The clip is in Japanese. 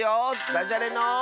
「だじゃれの」。